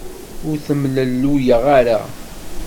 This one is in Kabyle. Ur ttemlelluyeɣ ara.